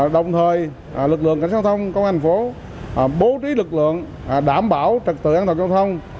đồng thời lực lượng cảnh sát giao thông công an thành phố bố trí lực lượng đảm bảo trật tự an toàn giao thông